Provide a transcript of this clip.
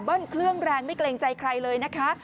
เครื่องแรงไม่เกรงใจใครเลยนะคะ